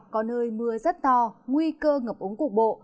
có nơi mưa rất to nguy cơ ngập ống cục bộ